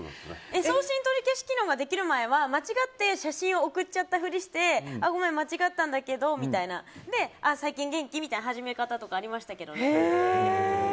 送信取り消し機能ができる前は間違って写真を送っちゃったふりしてごめん間違ったんだけどみたいに最近元気？みたいな始め方とかありましたけどね。